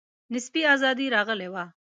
نسبي آزادي راغلې وه.